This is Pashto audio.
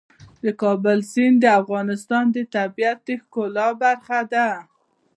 د کابل سیند د افغانستان د طبیعت د ښکلا برخه ده.